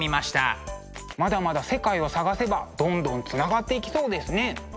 まだまだ世界を探せばどんどんつながっていきそうですね。